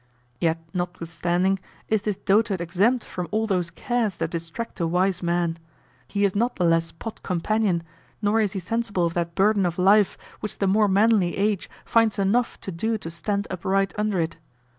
Yet, notwithstanding, is this dotard exempt from all those cares that distract a wise man; he is not the less pot companion, nor is he sensible of that burden of life which the more manly age finds enough to do to stand upright under it.